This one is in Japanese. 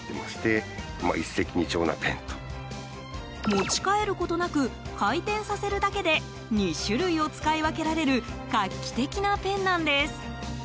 持ち替えることなく回転させるだけで２種類を使い分けられる画期的なペンなんです。